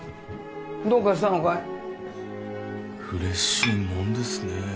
どうかしたのかい嬉しいもんですねえ